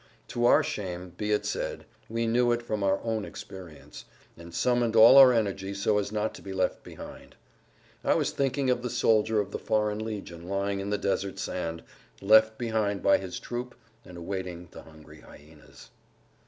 To our shame, be it said, we knew it from our own experience, and summoned all our energy so as not to be left behind. I was thinking of the soldier of the Foreign Legion lying in the desert sand, left behind by his troop and awaiting the hungry hyenas.